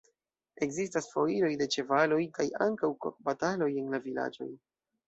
Ekzistas foiroj de ĉevaloj kaj ankaŭ kok-bataloj en la vilaĝoj.